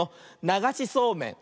ながしそうめん！